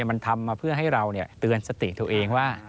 มันทำมาเพื่อให้เราเตือนสติตัวเองว่า